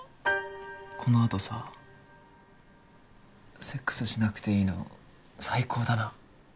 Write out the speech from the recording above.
このあとさセックスしなくていいの最高だな。